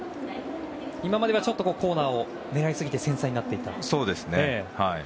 今まではコーナーを狙いすぎて繊細になっていたと。